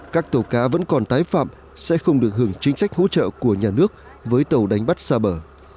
các tàu cá vẫn còn tái phạm sẽ không được hưởng chính sách hỗ trợ của nhà nước với tàu đánh bắt xa bờ